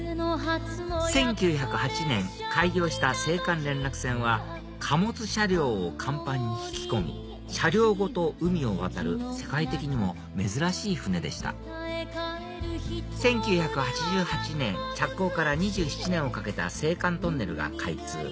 １９０８年開業した青函連絡船は貨物車両を甲板に引き込み車両ごと海を渡る世界的にも珍しい船でした１９８８年着工から２７年をかけた青函トンネルが開通